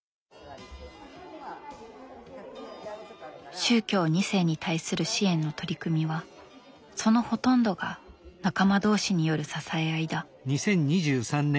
宗教２世に対する支援の取り組みはそのほとんどが仲間同士による支え合いだ。